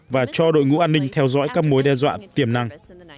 và cho đội ngũ an ninh theo dõi các mối đe dọa tiềm năng